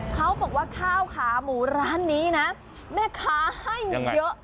เขาบอกว่าข้าวขาหมูร้านนี้นะแม่ค้าให้เยอะ